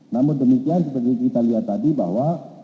namun demikian seperti kita lihat tadi bahwa